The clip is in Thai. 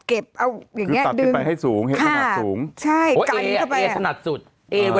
เขาเรียกว่านูกนูลแบบนี้แล้ว